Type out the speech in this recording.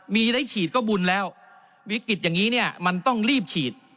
มีได้ฉีดก็บุญแล้ววิกฤตอย่างนี้เนี่ยมันต้องรีบฉีด